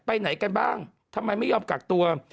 ไปไหนกันบ้างทำไมไม่ยอมกักตัว